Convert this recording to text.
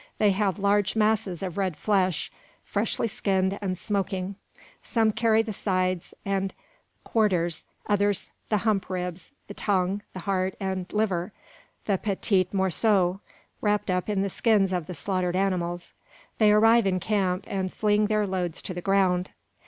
They have large masses of red flesh, freshly skinned and smoking. Some carry the sides and quarters; others the hump ribs, the tongue, the heart, and liver the petits morceaux wrapped up in the skins of the slaughtered animals. They arrive in camp, and fling their loads to the ground.